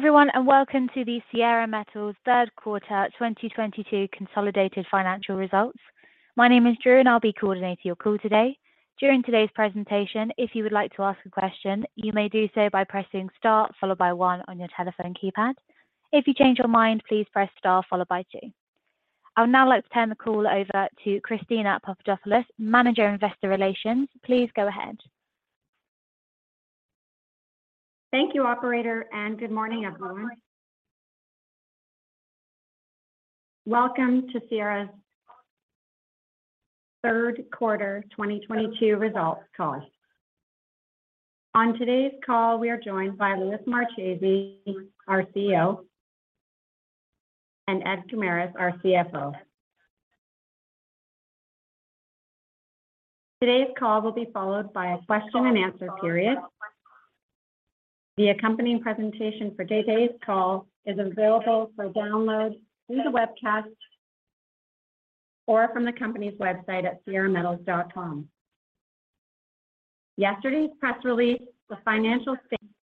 Hello everyone, and welcome to the Sierra Metals third quarter 2022 consolidated financial results. My name is Drew, and I'll be coordinating your call today. During today's presentation, if you would like to ask a question, you may do so by pressing Star followed by one on your telephone keypad. If you change your mind, please press Star followed by two. I would now like to turn the call over to Christina Papadopoulos, Manager, Investor Relations. Please go ahead. Thank you, operator, and good morning, everyone. Welcome to Sierra's third quarter 2022 results call. On today's call, we are joined by Luis Marchese, our CEO, and Ed Guimaraes, our CFO. Today's call will be followed by a question-and-answer period. The accompanying presentation for today's call is available for download through the webcast or from the company's website at sierrametals.com. Yesterday's press release, the financial statements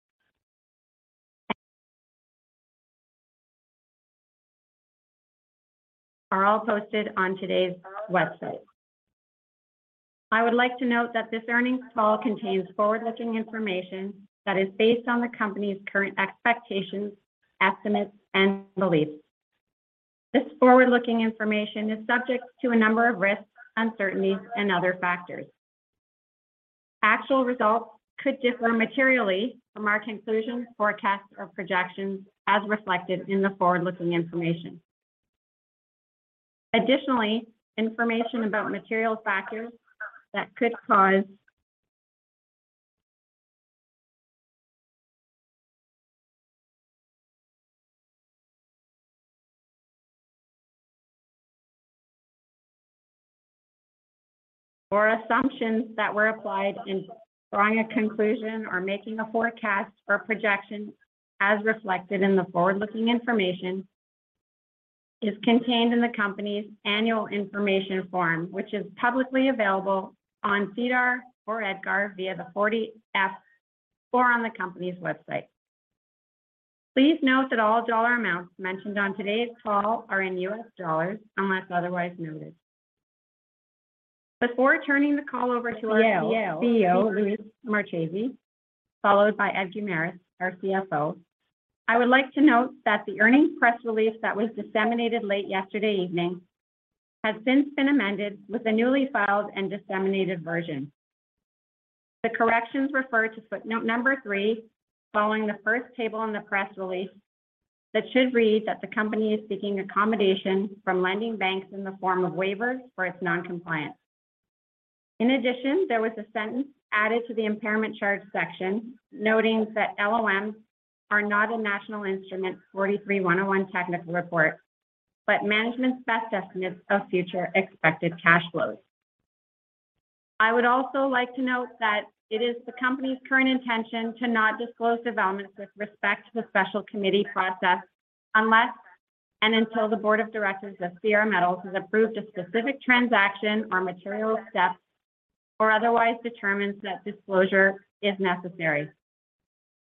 are all posted on the company's website. I would like to note that this earnings call contains forward-looking information that is based on the company's current expectations, estimates, and beliefs. This forward-looking information is subject to a number of risks, uncertainties, and other factors. Actual results could differ materially from our conclusions, forecasts, or projections as reflected in the forward-looking information. Additionally, information about material factors that could cause or assumptions that were applied in drawing a conclusion or making a forecast or projection as reflected in the forward-looking information is contained in the company's annual information form, which is publicly available on SEDAR or EDGAR via the 40-F or on the company's website. Please note that all dollar amounts mentioned on today's call are in US dollars unless otherwise noted. Before turning the call over to our CEO, Luis Marchese, followed by Ed Guimaraes, our CFO, I would like to note that the earnings press release that was disseminated late yesterday evening has since been amended with the newly filed and disseminated version. The corrections refer to footnote number three following the first table in the press release that should read that the company is seeking accommodation from lending banks in the form of waivers for its non-compliance. In addition, there was a sentence added to the impairment charge section noting that LOMs are not a National Instrument 43-101 technical report, but management's best estimates of future expected cash flows. I would also like to note that it is the company's current intention to not disclose developments with respect to the special committee process unless and until the board of directors of Sierra Metals has approved a specific transaction or material step or otherwise determines that disclosure is necessary.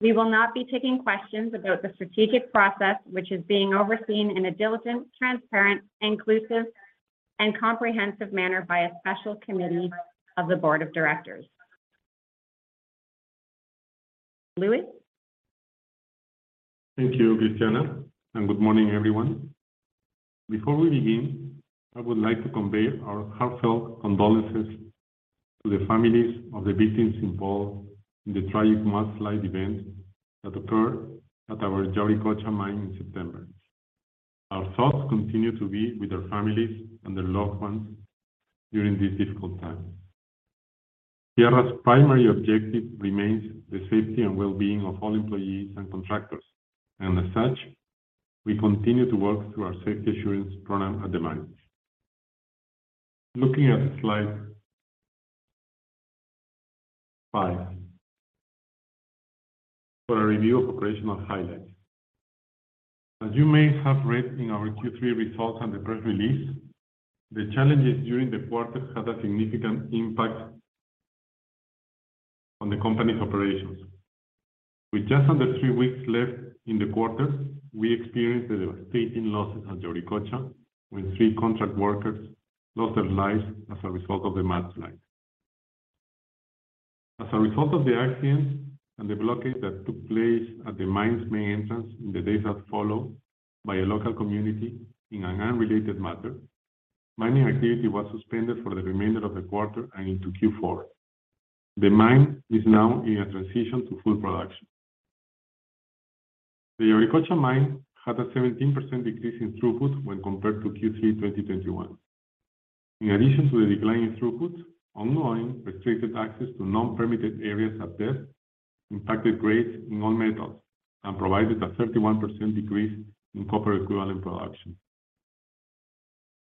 We will not be taking questions about the strategic process which is being overseen in a diligent, transparent, inclusive, and comprehensive manner by a special committee of the board of directors. Luis? Thank you, Christina, and good morning, everyone. Before we begin, I would like to convey our heartfelt condolences to the families of the victims involved in the tragic mudslide event that occurred at our Yauricocha mine in September. Our thoughts continue to be with their families and their loved ones during this difficult time. Sierra's primary objective remains the safety and well-being of all employees and contractors, and as such, we continue to work through our safety assurance program at the mine. Looking at slide 5 for a review of operational highlights. As you may have read in our Q3 results and the press release, the challenges during the quarter had a significant impact on the company's operations. With just under three weeks left in the quarter, we experienced a devastating loss at Yauricocha when three contract workers lost their lives as a result of the mudslide. As a result of the accident and the blockage that took place at the mine's main entrance in the days that followed by a local community in an unrelated matter, mining activity was suspended for the remainder of the quarter and into Q4. The mine is now in a transition to full production. The Yauricocha mine had a 17% decrease in throughput when compared to Q3 2021. In addition to the decline in throughput, ongoing restricted access to non-permitted areas of the adit impacted grades in all metals and provided a 31% decrease in copper-equivalent production.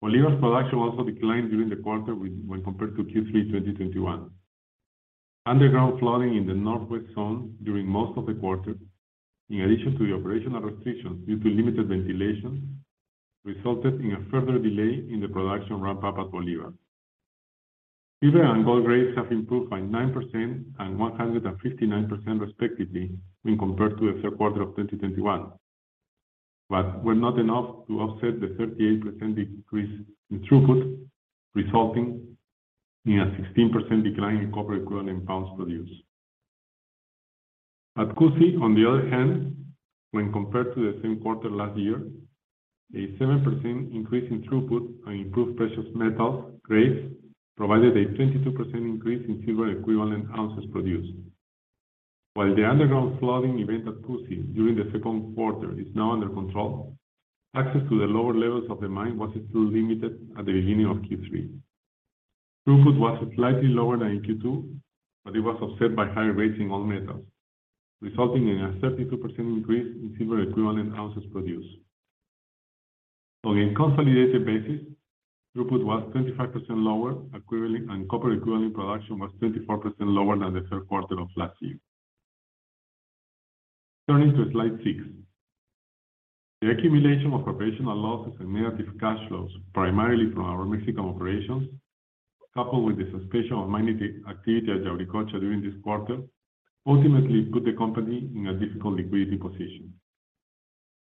Bolivar's production also declined during the quarter when compared to Q3 2021. Underground flooding in the northwest zone during most of the quarter, in addition to the operational restrictions due to limited ventilation, resulted in a further delay in the production ramp-up at Bolivar. Silver and gold grades have improved by 9% and 159% respectively when compared to the third quarter of 2021. Were not enough to offset the 38% decrease in throughput, resulting in a 16% decline in copper equivalent pounds produced. At Cusi, on the other hand, when compared to the same quarter last year, a 7% increase in throughput and improved precious metal grades provided a 22% increase in silver equivalent ounces produced. While the underground flooding event at Cusi during the second quarter is now under control, access to the lower levels of the mine was still limited at the beginning of Q3. Throughput was slightly lower than in Q2, but it was offset by higher grades in all metals, resulting in a 32% increase in silver equivalent ounces produced. On a consolidated basis, throughput was 25% lower, and copper equivalent production was 24% lower than the third quarter of last year. Turning to slide 6. The accumulation of operational losses and negative cash flows, primarily from our Mexican operations, coupled with the suspension of mining activity at Yauricocha during this quarter, ultimately put the company in a difficult liquidity position.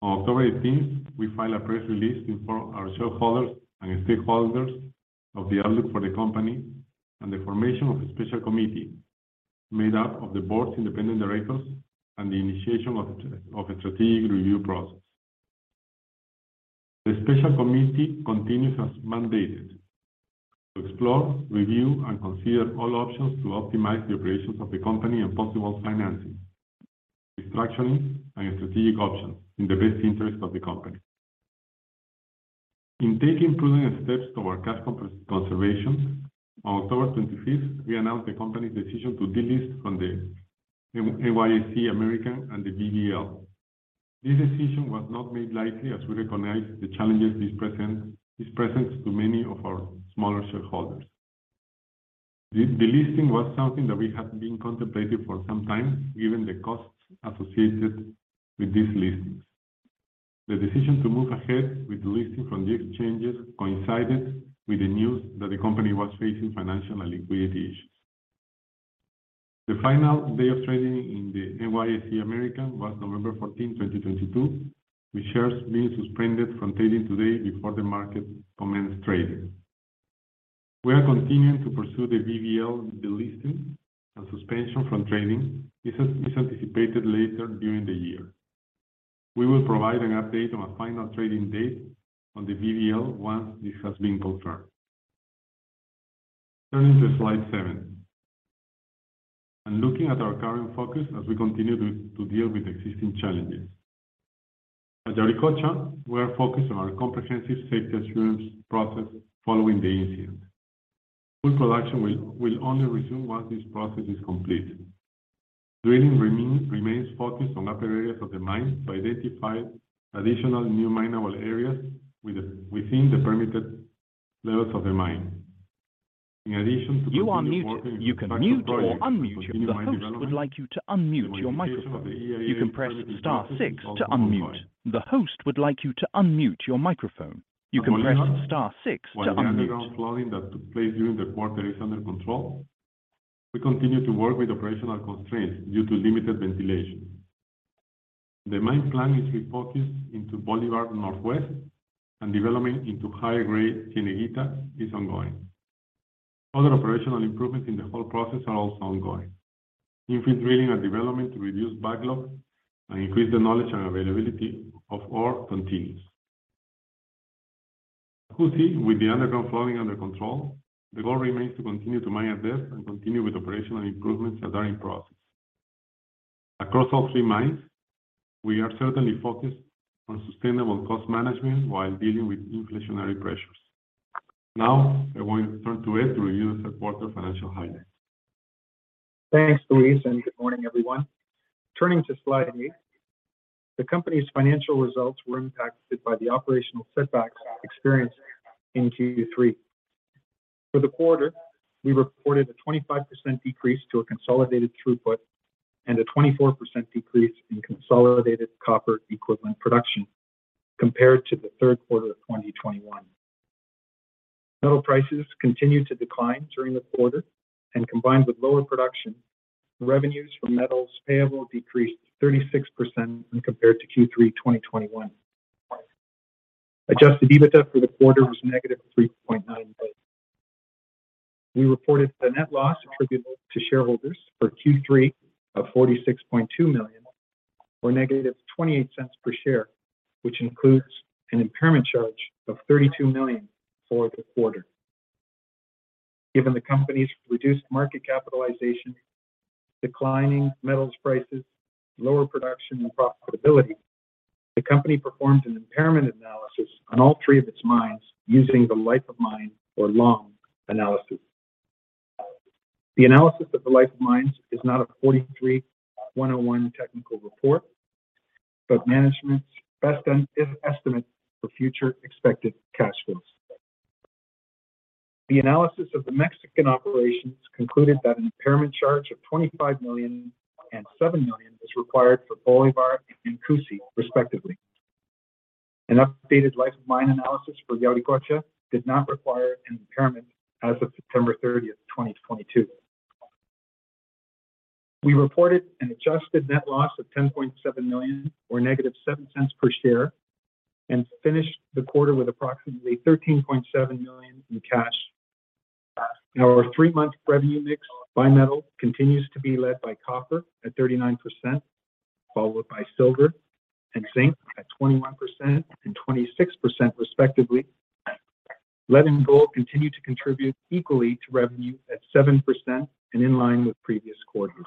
On October 18, we filed a press release to inform our shareholders and stakeholders of the outlook for the company and the formation of a special committee made up of the board's independent directors and the initiation of a strategic review process. The special committee continues as mandated to explore, review, and consider all options to optimize the operations of the company and possible financings, restructuring, and strategic options in the best interest of the company. In taking prudent steps toward cash conservation, on October 25th, we announced the company's decision to delist from the NYSE American and the BVL. This decision was not made lightly as we recognize the challenges this presents to many of our smaller shareholders. Delisting was something that we had been contemplating for some time, given the costs associated with these listings. The decision to move ahead with delisting from the exchanges coincided with the news that the company was facing financial and liquidity issues. The final day of trading in the NYSE American was November 14th, 2022, with shares being suspended from trading today before the market commenced trading. We are continuing to pursue the BVL delisting and suspension from trading is anticipated later during the year. We will provide an update on a final trading date on the BVL once this has been confirmed. Turning to slide seven and looking at our current focus as we continue to deal with existing challenges. At Yauricocha, we are focused on our comprehensive safety assurance process following the incident. Full production will only resume once this process is complete. Drilling remains focused on upper areas of the mine to identify additional new mineable areas within the permitted levels of the mine. In addition to continued work with the factual project to continue mine development, the modification of the EIA permit is also ongoing. At Bolivar, while the underground flooding that took place during the quarter is under control, we continue to work with operational constraints due to limited ventilation. The mine plan is refocused into Bolivar Northwest and development into higher grade Cieneguita is ongoing. Other operational improvements in the whole process are also ongoing. Increased drilling and development to reduce backlog and increase the knowledge and availability of ore continues. At Cusi, with the underground flooding under control, the goal remains to continue to mine at depth and continue with operational improvements that are in process. Across all three mines, we are certainly focused on sustainable cost management while dealing with inflationary pressures. Now I'm going to turn to Ed to review the quarter financial highlights. Thanks, Luis, and good morning, everyone. Turning to slide 8, the company's financial results were impacted by the operational setbacks experienced in Q3. For the quarter, we reported a 25% decrease to a consolidated throughput and a 24% decrease in consolidated copper equivalent production compared to the third quarter of 2021. Metal prices continued to decline during the quarter and combined with lower production, the revenues from metals payable decreased 36% when compared to Q3 2021. Adjusted EBITDA for the quarter was -$3.9 million. We reported a net loss attributable to shareholders for Q3 of $46.2 million or -$0.28 per share, which includes an impairment charge of $32 million for the quarter. Given the company's reduced market capitalization, declining metals prices, lower production, and profitability, the company performed an impairment analysis on all three of its mines using the life of mine or LOM analysis. The analysis of the life of mines is not an NI 43-101 technical report, but management's best estimate for future expected cash flows. The analysis of the Mexican operations concluded that an impairment charge of $25 million and $7 million is required for Bolivar and Cusi respectively. An updated life of mine analysis for Yauricocha did not require an impairment as of September 30, 2022. We reported an adjusted net loss of $10.7 million or -$0.07 per share and finished the quarter with approximately $13.7 million in cash. In our three-month revenue mix by metal continues to be led by copper at 39%, followed by silver and zinc at 21% and 26% respectively. Lead and gold continue to contribute equally to revenue at 7% and in line with previous quarters.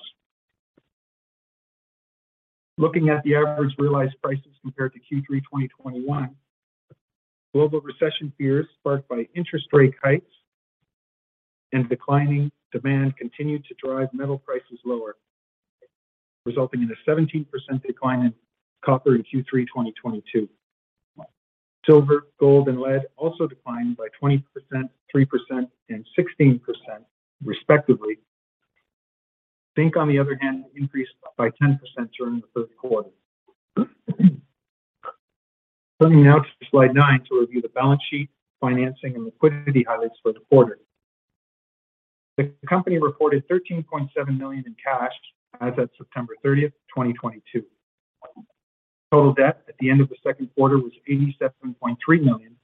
Looking at the average realized prices compared to Q3 2021, global recession fears sparked by interest rate hikes and declining demand continued to drive metal prices lower, resulting in a 17% decline in copper in Q3 2022. Silver, gold, and lead also declined by 20%, 3%, and 16% respectively. Zinc, on the other hand, increased by 10% during the third quarter. Turning now to slide 9 to review the balance sheet, financing, and liquidity highlights for the quarter. The company reported $13.7 million in cash as of September 30, 2022. Total debt at the end of the second quarter was $87.3 million,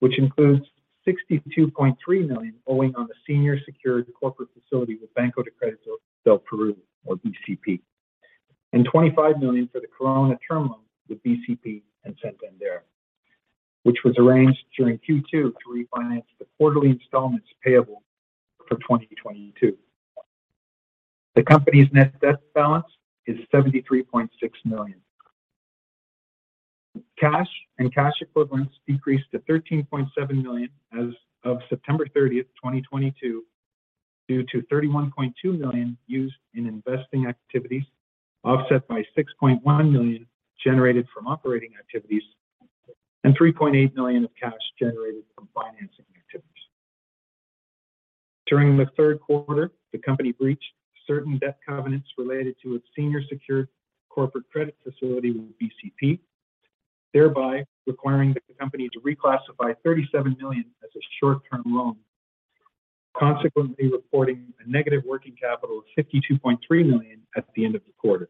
which includes $62.3 million owing on the senior secured corporate facility with Banco de Crédito del Perú, or BCP, and $25 million for the Corona term loan with BCP and Santander, which was arranged during Q2 to refinance the quarterly installments payable for 2022. The company's net debt balance is $73.6 million. Cash and cash equivalents decreased to $13.7 million as of September 30, 2022 due to $31.2 million used in investing activities, offset by $6.1 million generated from operating activities and $3.8 million of cash generated from financing activities. During the third quarter, the company breached certain debt covenants related to its senior secured corporate credit facility with BCP, thereby requiring the company to reclassify $37 million as a short-term loan, consequently reporting a negative working capital of $52.3 million at the end of the quarter.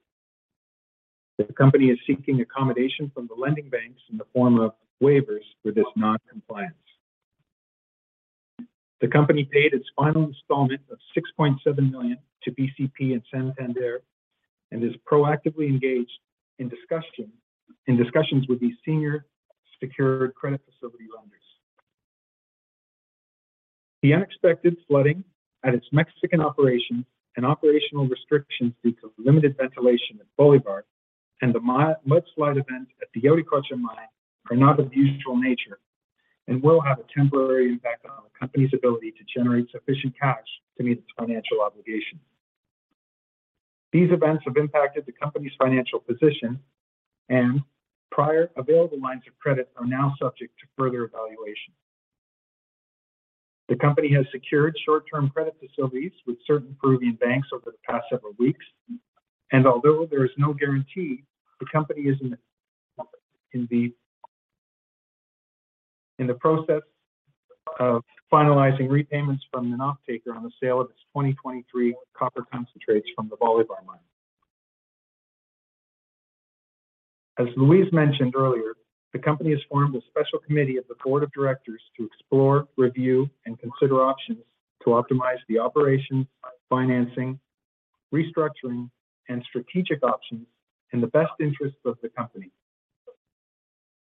The company is seeking accommodation from the lending banks in the form of waivers for this non-compliance. The company paid its final installment of $6.7 million to BCP and Santander and is proactively engaged in discussions with these senior secured credit facility lenders. The unexpected flooding at its Mexican operations and operational restrictions due to limited ventilation at Bolivar and the mudslide event at the Yauricocha mine are not of usual nature and will have a temporary impact on the company's ability to generate sufficient cash to meet its financial obligations. These events have impacted the company's financial position, and prior available lines of credit are now subject to further evaluation. The company has secured short-term credit facilities with certain Peruvian banks over the past several weeks, and although there is no guarantee, the company is in the process of finalizing repayments from an offtaker on the sale of its 2023 copper concentrates from the Bolivar mine. As Luis mentioned earlier, the company has formed a special committee of the board of directors to explore, review, and consider options to optimize the operations, financing, restructuring, and strategic options in the best interests of the company.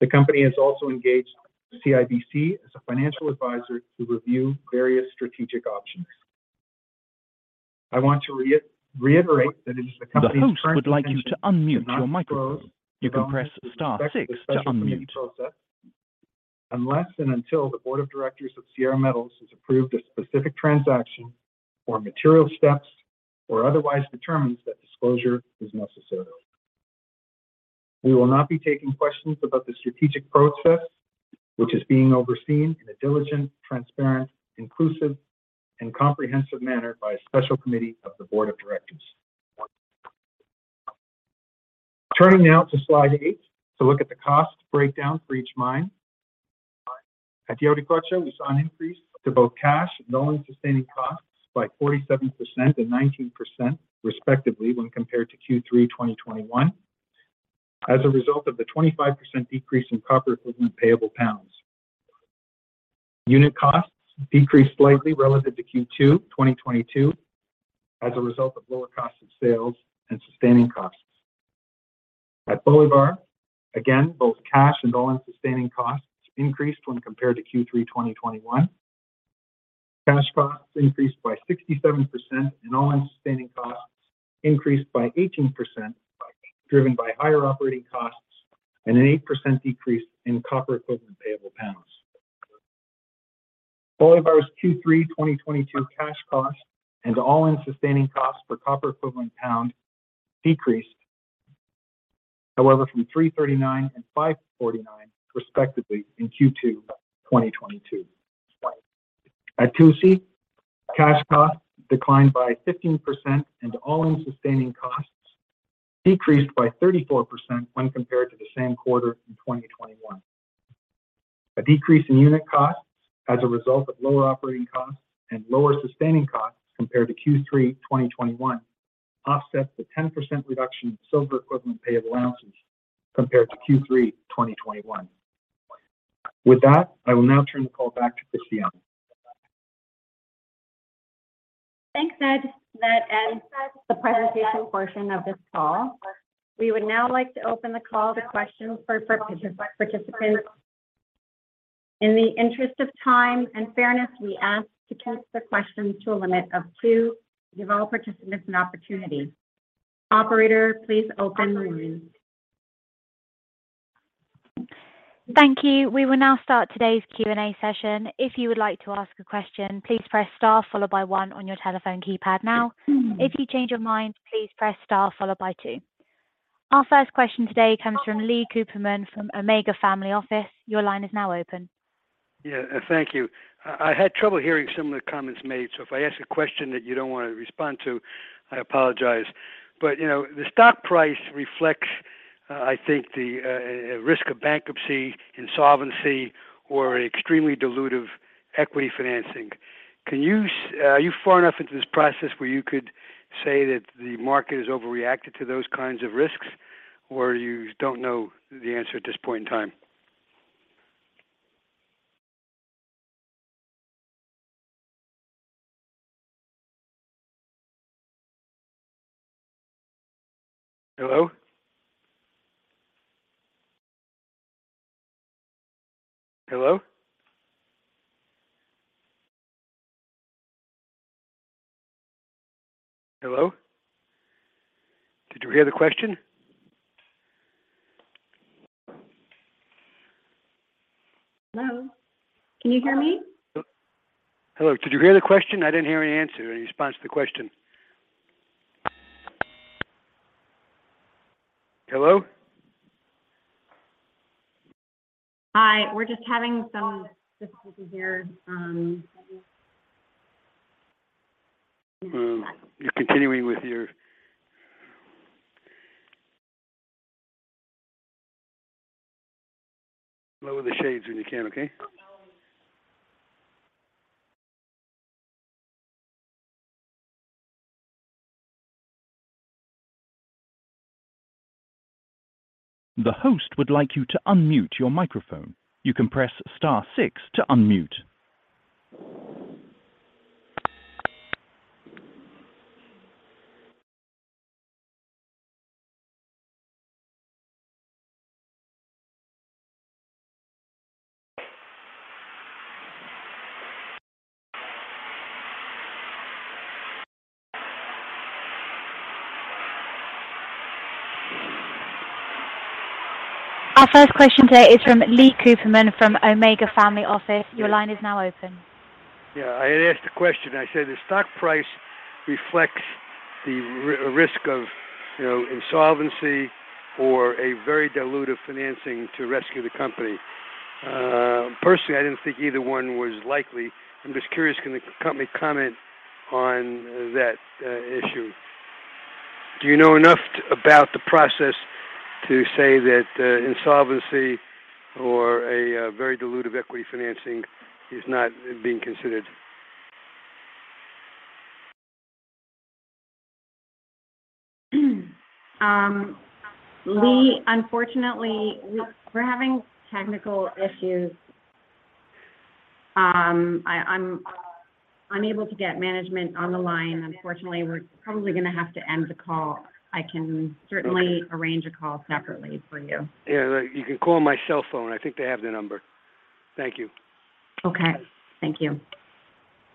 The company has also engaged CIBC as a financial advisor to review various strategic options. I want to reiterate that it is the company's current intention to not disclose developments respecting the special committee process unless and until the board of directors of Sierra Metals has approved a specific transaction or material steps or otherwise determines that disclosure is necessary. We will not be taking questions about the strategic process, which is being overseen in a diligent, transparent, inclusive, and comprehensive manner by a special committee of the board of directors. Turning now to slide 8 to look at the cost breakdown for each mine. At Yauricocha, we saw an increase to both cash and all-in sustaining costs by 47% and 19% respectively when compared to Q3 2021 as a result of the 25% decrease in copper equivalent payable pounds. Unit costs decreased slightly relative to Q2 2022 as a result of lower cost of sales and sustaining costs. At Bolivar, again, both cash and all-in sustaining costs increased when compared to Q3 2021. Cash costs increased by 67% and all-in sustaining costs increased by 18%, driven by higher operating costs and an 8% decrease in copper equivalent payable pounds. Bolivar's Q3 2022 cash cost and all-in sustaining cost per copper equivalent pound decreased, however, from $3.39 and $5.49 respectively in Q2 2022. At Cusi, cash costs declined by 15% and all-in sustaining costs decreased by 34% when compared to the same quarter in 2021. A decrease in unit costs as a result of lower operating costs and lower sustaining costs compared to Q3 2021 offsets the 10% reduction in silver equivalent payable ounces compared to Q3 2021. With that, I will now turn the call back to Christina. Thanks, Ed. That ends the presentation portion of this call. We would now like to open the call to questions for participants. In the interest of time and fairness, we ask to keep the questions to a limit of two to give all participants an opportunity. Operator, please open the room. Thank you. We will now start today's Q&A session. If you would like to ask a question, please press star followed by one on your telephone keypad now. If you change your mind, please press star followed by two. Our first question today comes from Leon Cooperman from Omega Family Office. Your line is now open. Yeah. Thank you. I had trouble hearing some of the comments made. If I ask a question that you don't want to respond to, I apologize. You know, the stock price reflects, I think the risk of bankruptcy, insolvency or extremely dilutive equity financing. Are you far enough into this process where you could say that the market has overreacted to those kinds of risks, or you don't know the answer at this point in time? Hello? Hello? Hello? Did you hear the question? Hello? Can you hear me? Hello, did you hear the question? I didn't hear any answer, any response to the question. Hello? Hi. We're just having some difficulty here. Lower the shades when you can, okay? The host would like you to unmute your microphone. You can press star six to unmute. Our first question today is from Leon Cooperman from Omega Family Office. Your line is now open. Yeah, I had asked a question. I said the stock price reflects the risk of, you know, insolvency or a very dilutive financing to rescue the company. Personally, I didn't think either one was likely. I'm just curious, can the company comment on that issue? Do you know enough about the process to say that insolvency or a very dilutive equity financing is not being considered? Lee, unfortunately, we're having technical issues. I'm unable to get management on the line, unfortunately. We're probably gonna have to end the call. I can certainly arrange a call separately for you. Yeah, you can call my cell phone. I think they have the number. Thank you. Okay. Thank you.